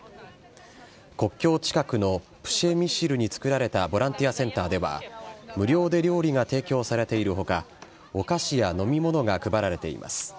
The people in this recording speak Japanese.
国境近くのプシェミシルに作られたボランティアセンターでは、無料で料理が提供されているほか、お菓子や飲み物が配られています。